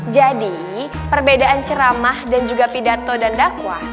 jadi perbedaan ceramah dan juga pidato dan dakwah